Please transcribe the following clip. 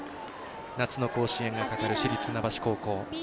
夏の甲子園がかかる市立船橋高校。